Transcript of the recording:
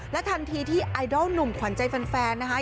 ทันทีที่ไอดอลหนุ่มขวัญใจแฟนนะคะ